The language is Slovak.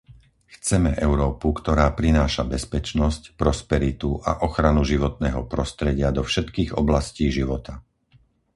Chceme Európu, ktorá prináša bezpečnosť, prosperitu a ochranu životného prostredia do všetkých oblastí života.